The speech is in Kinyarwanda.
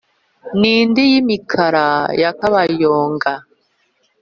n’indi y’imikara ya kabayonga